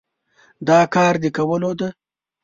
دا کار د کولو دی؟